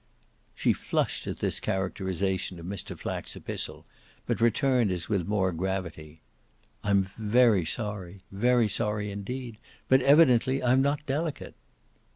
She flushed at this characterisation of Mr. Flack's epistle, but returned as with more gravity: "I'm very sorry very sorry indeed. But evidently I'm not delicate."